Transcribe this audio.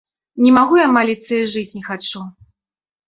Не магу я маліцца і жыць не хачу.